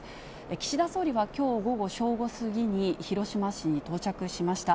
岸田総理はきょう午後正午過ぎに広島市に到着しました。